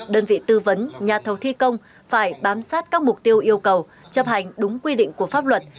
đơn vị tư vấn nhà thầu thi công phải bám sát các mục tiêu yêu cầu chấp hành đúng quy định của pháp luật